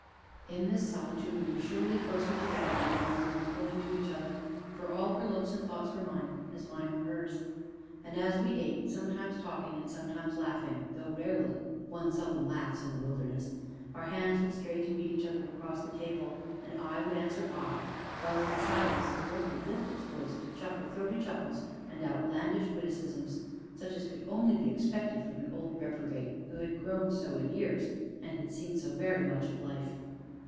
In this solitude we were surely closer together and belonged more fully to each other, for all her looks and thoughts were mine, as mine were hers. And, as we ate, sometimes talking and sometimes laughing (though rarely; one seldom laughs in the wilderness), our hands would stray to meet each other across the table, and eye would answer eye, while, in the silence, the brook would lift its voice to chuckle throaty chuckles and outlandish witticisms, such as could only be expected from an old reprobate who had grown so in years, and had seen so very much of life.